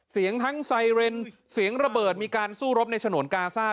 เสียงทั้งไซเรนเสียงระเบิดมีการสู้รบในฉนวนกาซ่า